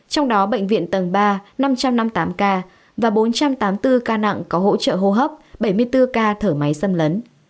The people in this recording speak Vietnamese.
trong đó bệnh viện tầng ba năm trăm năm mươi tám ca và bốn trăm tám mươi bốn ca nặng có hỗ trợ hô hấp bảy mươi bốn ca thở máy xâm lấn